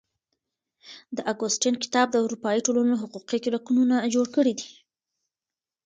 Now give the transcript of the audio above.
د اګوستين کتاب د اروپايي ټولنو حقوقي رکنونه جوړ کړي دي.